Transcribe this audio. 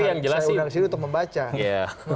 yang bisa diundang ke sini untuk membaca